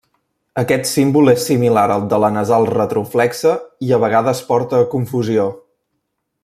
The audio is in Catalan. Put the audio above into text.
Aquest símbol és similar al de la nasal retroflexa i a vegades porta a confusió.